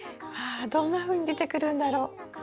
どんなふうに出てくるんだろ？